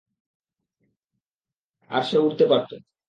আর সে উড়তে পারত।